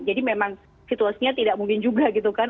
jadi memang situasinya tidak mungkin juga gitu kan